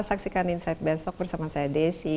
saksikan insight besok bersama saya desi